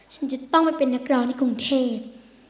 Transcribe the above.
ฉันจะต้องไปเป็นนักร้องในกรุงเทพ